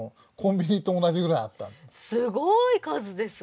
すごい数ですね。